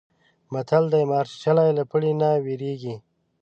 متل دی: مار چیچلی له پړي نه وېرېږي.